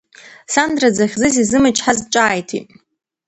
Сандра захьӡыз изымычҳазт, ҿааиҭит…